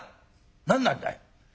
何なんだい。